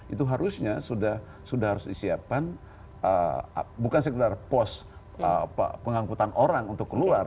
itu harusnya sudah harus disiapkan bukan sekedar pos pengangkutan orang untuk keluar